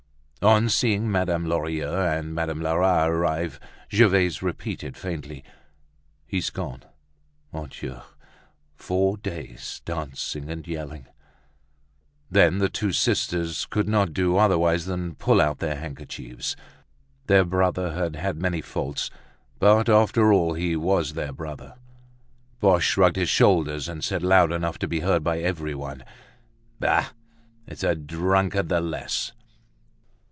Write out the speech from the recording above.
On seeing Madame Lorilleux and Madame Lerat arrive, Gervaise repeated, faintly: "He's gone. Mon Dieu! Four days' dancing and yelling—" Then the two sisters could not do otherwise than pull out their handkerchiefs. Their brother had had many faults, but after all he was their brother. Boche shrugged his shoulders and said, loud enough to be heard by everyone: "Bah! It's a drunkard the less."